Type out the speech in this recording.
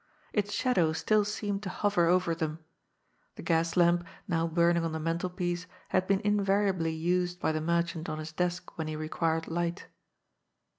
Its shadow still seemed to hover over them. The gas lamp now burning on the mantelpiece had been invariably used by the merchant on his desk when he required light.